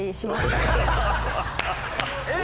えっ？